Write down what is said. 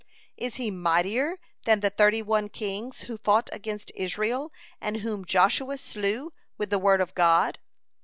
Is he mightier than the thirty one kings who fought against Israel and whom Joshua slew 'with the word of God'?